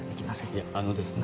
いやあのですね